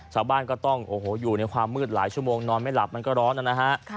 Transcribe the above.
ชาวบ้านก็ต้องโอ้โหอยู่ในความมืดหลายชั่วโมงนอนไม่หลับมันก็ร้อนนะฮะ